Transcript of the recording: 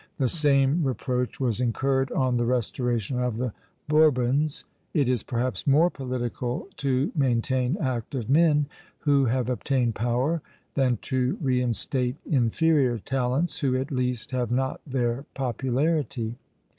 The same reproach was incurred on the restoration of the Bourbons. It is perhaps more political to maintain active men, who have obtained power, than to reinstate inferior talents, who at least have not their popularity.